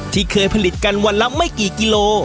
ที่เคยผลิตกันวันละไม่กี่กิโล